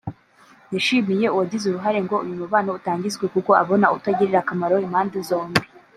yashimiye uwagize uruhare ngo uyu mubano utangizwe kuko abona uzagirira akamaro impande zombi